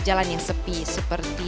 dan di sini titik berlapis